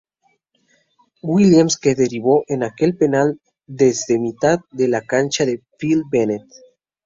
Williams que derivó en aquel penal desde mitad de cancha de Phil Bennett.